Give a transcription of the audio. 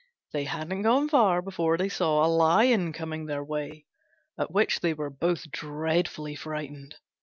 They hadn't gone far before they saw a Lion coming their way, at which they were both dreadfully frightened.